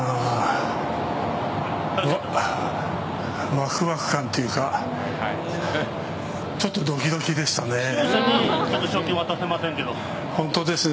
ワクワク感というかちょっと、ドキドキでしたね。